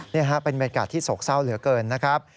นี่ฮะเป็นบรรยากาศที่โศกเศร้าเหลือเกินนะครับ